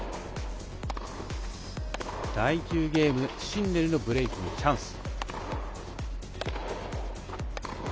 第９ゲーム、シンネルのブレークチャンス。